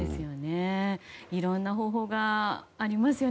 いろんな方法がありますね。